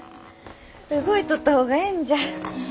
動いとった方がえんじゃ。